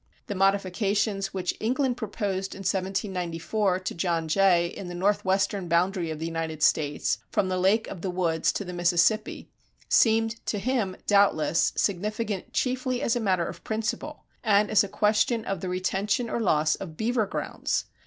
The modifications which England proposed in 1794 to John Jay in the northwestern boundary of the United States from the Lake of the Woods to the Mississippi, seemed to him, doubtless, significant chiefly as a matter of principle and as a question of the retention or loss of beaver grounds.